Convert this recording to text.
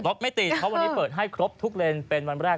ไม่ติดเพราะวันนี้เปิดให้ครบทุกเลนเป็นวันแรก